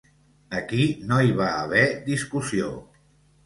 Aquí no hi va haver discussió.